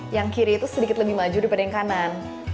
yang kiri itu sedikit lebih maju daripada yang kanan